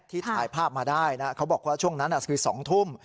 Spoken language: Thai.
ถ่ายภาพมาได้นะเขาบอกว่าช่วงนั้นคือ๒ทุ่ม